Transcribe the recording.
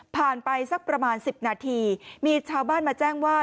ไปสักประมาณ๑๐นาทีมีชาวบ้านมาแจ้งว่า